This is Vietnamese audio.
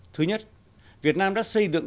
thứ nhất việt nam đã xây dựng